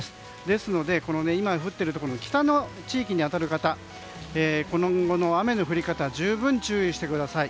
ですので今降っている地域に当たる方今後の雨の降り方に十分注意してください。